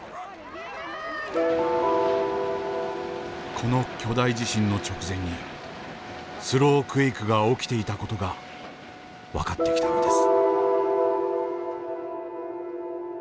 この巨大地震の直前にスロークエイクが起きていた事が分かってきたのです。